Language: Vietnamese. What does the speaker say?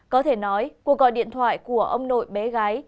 có thể nói cuộc gọi điện thoại của ông nội bé gái